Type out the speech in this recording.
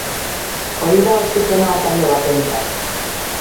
Hori da oxigenoa talde batentzat.